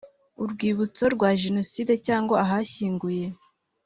urwibutso rwa jenoside cyangwa ahashyinguye